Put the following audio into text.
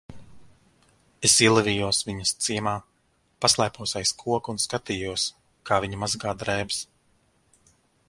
Es ielavījos viņas ciemā, paslēpos aiz koka un skatījos, kā viņa mazgā drēbes.